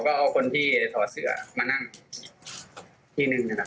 ก็เอาคนที่ถอดเสือมานั่งที่หนึ่งนะครับ